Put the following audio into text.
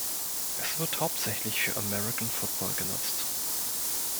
Es wird hauptsächlich für American Football genutzt.